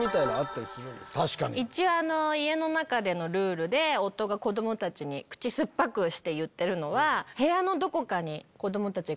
一応家の中でのルールで夫が子供たちに口酸っぱくして言ってるのは部屋のどこかに。